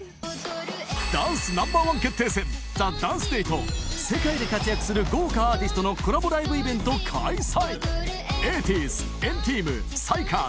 ダンスＮｏ．１決定戦、ＴＨＥＤＡＮＣＥＤＡＹと、世界で活躍する豪華アーティストのコラボライブイベント開催。